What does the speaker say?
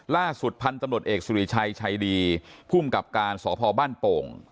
ล่าสุดพันธุ์ตำรวจเอกสุริชัยชัยดีภูมิกับการสพบ้านโป่ง